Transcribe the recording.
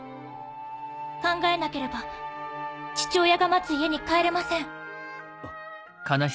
考えなければ父親が待つ家に帰れません。